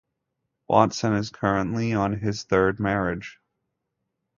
Watson is currently on his third marriage.